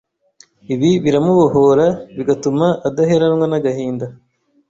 Ibi biramubohora bigatuma adaheranwa n’agahinda.